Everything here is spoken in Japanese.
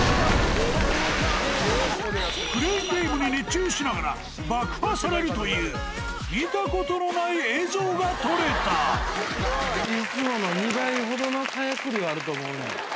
クレーンゲームに熱中しながら、爆破されるという、いつもの２倍ほどの火薬量あると思うねん。